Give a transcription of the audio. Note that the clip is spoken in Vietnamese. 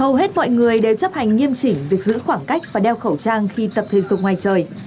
hầu hết mọi người đều chấp hành nghiêm chỉnh việc giữ khoảng cách và đeo khẩu trang khi tập thể dục ngoài trời